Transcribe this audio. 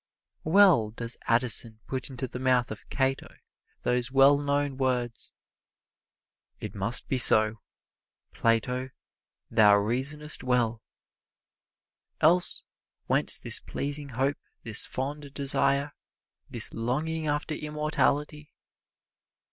Well does Addison put into the mouth of Cato those well known words: It must be so Plato, thou reasonest well! Else whence this pleasing hope, this fond desire, This longing after immortality?